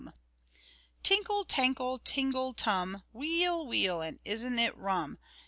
[6 (11)] "Tinkle, tankle, tingle, tum, Weel, weel, and isn't it rum?